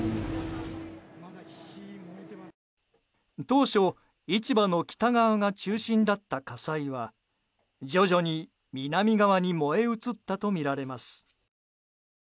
当初、市場の北側が中心だった火災は徐々に南側に燃え移ったとみられます。